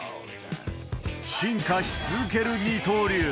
進化し続ける二刀流。